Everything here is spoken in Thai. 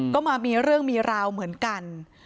ก็มามีเรื่องมีราวเหมือนกัน